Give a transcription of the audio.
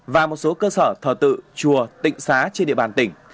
và một số cơ sở thờ tự chùa tịnh xá trên địa bàn tỉnh